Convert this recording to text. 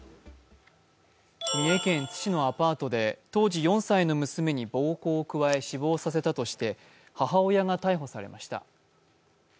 三重県津市のアパートで当時４歳の娘に暴行を加え死亡させたとして母親が逮捕されました。